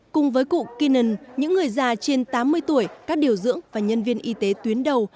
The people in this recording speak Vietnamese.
cùng với cụ keenan những người già trên tám mươi tuổi các điều dưỡng và nhân viên y tế tuyến đầu